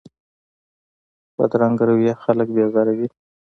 بدرنګه رویه خلک بېزاروي